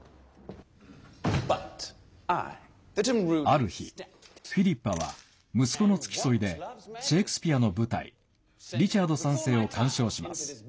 ある日、フィリッパは息子の付き添いでシェークスピアの舞台「リチャード３世」を鑑賞します。